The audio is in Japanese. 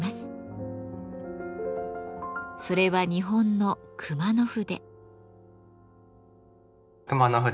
それは日本の「熊野筆」。